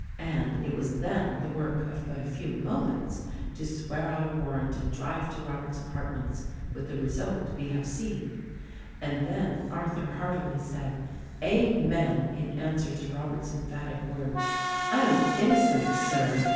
And it was then the work of but a few moments to swear out a warrant and drive to Robert's apartments — with the result we have seen. And then Arthur heartily said "Amen!" in answer to Robert's emphatic words: "I am innocent, Sir.